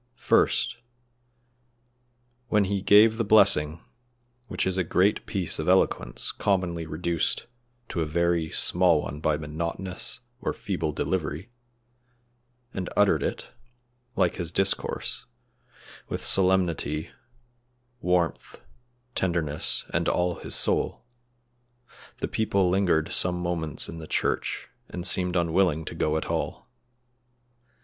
First, when he gave the blessing (which is a great piece of eloquence commonly reduced to a very small one by monotonous or feeble delivery), and uttered it, like his discourse, with solemnity, warmth, tenderness and all his soul, the people lingered some moments in the church and seemed unwilling to go at all.